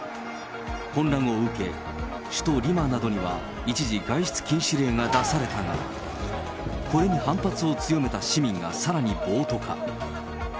混乱を受け、首都リマなどには一時、外出禁止令が出されたが、これに反発を強めた市民がさらに暴徒化。